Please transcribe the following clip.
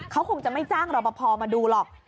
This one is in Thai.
เขาคงจะไม่จ้างรอปภมาดูหรอก